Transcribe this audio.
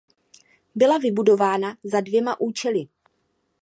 Byla vybudována za dvěma účely.